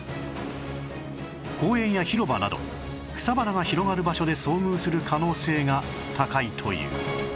公園や広場など草花が広がる場所で遭遇する可能性が高いという